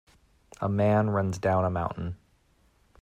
A man runs down a mountain.